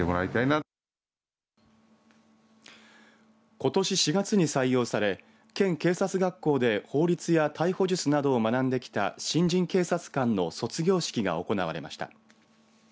ことし４月に採用され県警察学校で法律や逮捕術などを学んできた新人警察官の卒業式が行われました。